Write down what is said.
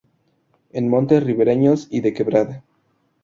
En montes ribereños y de quebrada.